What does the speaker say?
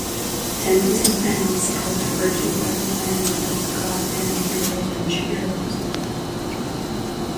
Attendees and fans are referred to by the band as Goddamn Heroes and Sheroes.